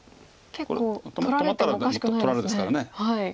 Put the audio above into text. これ止まったら取られですから。